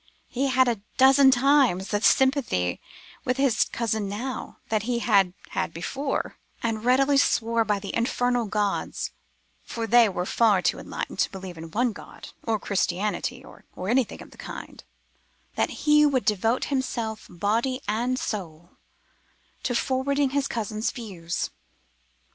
He had a dozen times the sympathy with his cousin now that he had had before, and readily swore by the infernal gods, for they were far too enlightened to believe in one God, or Christianity, or anything of the kind,—that he would devote himself, body and soul, to forwarding his cousin's views.